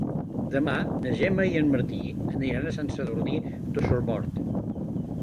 Demà na Gemma i en Martí aniran a Sant Sadurní d'Osormort.